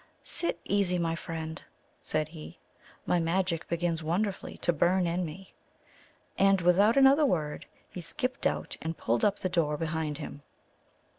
"Sit easy, my friend," said he; "my magic begins wonderfully to burn in me." And, without another word, he skipped out and pulled up the door behind him.